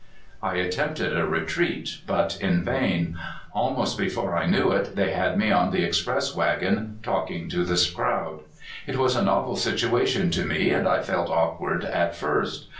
I attempted a retreat, but in vain. Almost be fore I knew it they had me on the express wagon, talking to the crowd. It was a novel situation to me, and I felt awkward at first.